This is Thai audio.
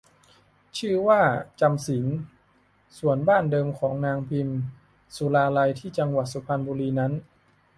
ชื่อว่า จำศีล ส่วนบ้านเดิมของนางพิมสุราลัยที่จังหวัดสุพรรณบุรีนั้น